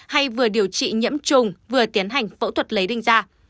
hay vừa điều trị nhiễm trùng vừa tiến hành phẫu thuật lấy đinh da